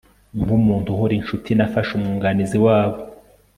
nkumuntu uhora inshuti, nafashe umwunganizi wabo